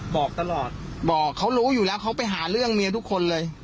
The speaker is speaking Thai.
บอกตลอดบอกเขารู้อยู่แล้วเขาไปหาเรื่องเมียทุกคนเลย